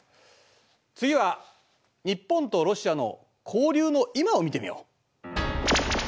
次は日本とロシアの交流の今を見てみよう。